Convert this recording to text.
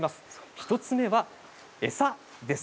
１つ目が、餌です。